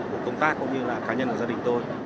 của công tác cũng như là cá nhân của gia đình tôi